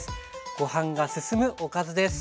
ご飯が進むおかずです。